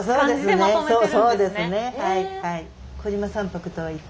はい。